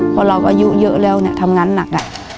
พอเราอายุเยอะแล้วเนี่ยทำงานหนัก